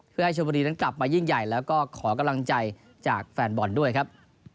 เพื่อให้ชมบุรีนั้นกลับมายิ่งใหญ่แล้วก็ขอกำลังใจจากแฟนบอลด้วยครับ